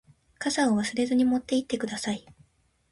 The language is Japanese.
傘を忘れずに持って行ってください。